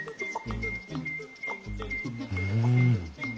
うん！